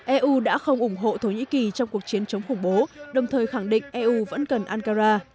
eu đã không ủng hộ thổ nhĩ kỳ trong cuộc chiến chống khủng bố đồng thời khẳng định eu vẫn cần ankara